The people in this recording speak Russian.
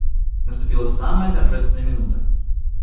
Наступила самая торжественная минута.